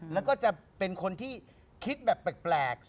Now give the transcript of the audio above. แล้วก็จะเป็นคนที่คิดแบบแปลก